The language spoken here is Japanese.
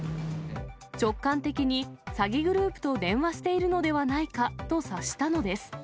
直感的に、詐欺グループと電話しているのではないかと察したのです。